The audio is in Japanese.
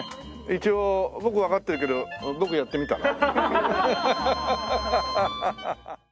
一応僕わかってるけどボクやってみたら？